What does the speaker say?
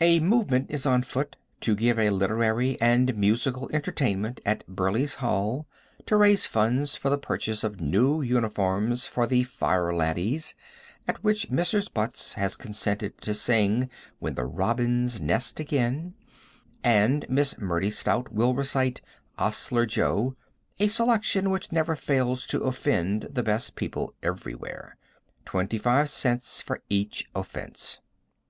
A movement is on foot to give a literary and musical entertainment at Burley's hall, to raise funds for the purchase of new uniforms for the "fire laddies," at which Mrs. Butts has consented to sing "When the Robins Nest Again," and Miss Mertie Stout will recite "'Ostler Jo," a selection which never fails to offend the best people everywhere. Twenty five cents for each offense.